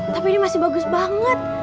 tapi ini masih bagus banget